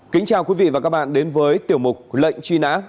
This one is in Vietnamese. kính chào quý vị và các bạn đến với tiểu mục lệnh truy nã